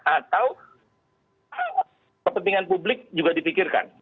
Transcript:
atau kepentingan publik juga dipikirkan